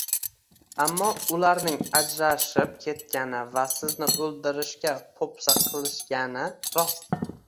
Ammo ularning ajrashib ketgani va sizni o`ldirishga po`pisa qilishgani rost